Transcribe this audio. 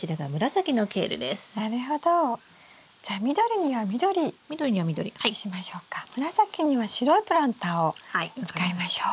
紫には白いプランターを使いましょう。